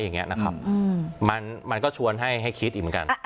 อย่างเงี้ยนะครับอืมมันมันก็ชวนให้ให้คิดอีกเหมือนกันอ่า